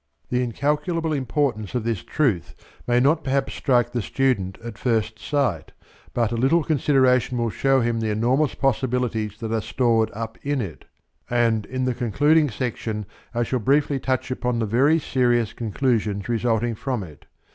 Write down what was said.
The incalculable importance of this truth may not perhaps strike the student at first sight, but a little consideration will show him the enormous possibilities that are stored up in it, and in the concluding section I shall briefly touch upon the very serious conclusions resulting from it.